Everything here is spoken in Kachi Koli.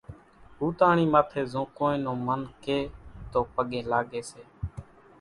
ھوتاۿڻي ماٿي زو ڪونئين نون من ڪي تو پڳي لاڳي سي